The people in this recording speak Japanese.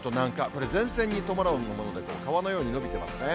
これ、前線に伴うもので、川のように延びてますね。